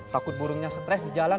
takut burungnya stres di jalan